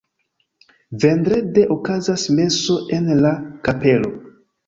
Vendrede okazas meso en la kapelo.